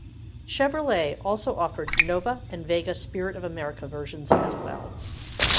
Chevrolet also offered Nova and Vega Spirit of America versions as well.